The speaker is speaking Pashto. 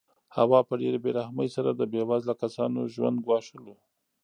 هوا په ډېرې بې رحمۍ سره د بې وزله کسانو ژوند ګواښلو.